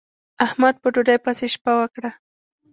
احمد په ډوډۍ پسې شپه وکړه.